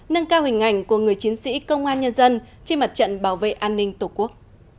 nâng cao hình ảnh của người chiến sĩ công an nhân dân trên mặt trận bảo vệ an ninh tổ quốc